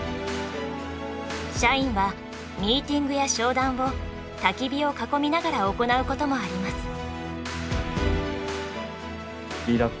社員はミーティングや商談をたき火を囲みながら行うこともあります。